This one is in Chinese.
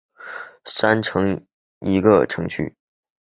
三城的一个地区。